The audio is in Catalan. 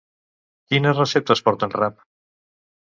Quines receptes porten rap?